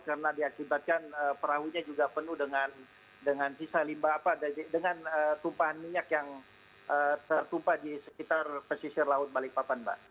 karena diakibatkan perahunya juga penuh dengan sisa limba apa dengan tumpahan minyak yang tertumpah di sekitar pesisir laut balikpapan mbak